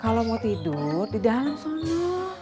kalo mau tidur di dalam sono